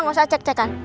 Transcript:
gak usah cek cekan